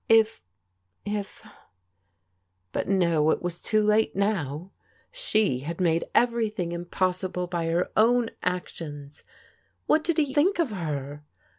If — if ? But no, it was too late now. She had made everything impossible by her own actions. What did he think of her?